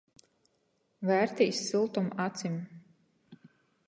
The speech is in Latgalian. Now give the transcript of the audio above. Vērtīs syltom acim.